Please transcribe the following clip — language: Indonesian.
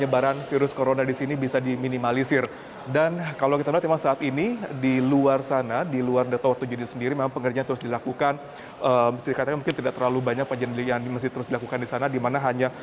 baik dari bagaimana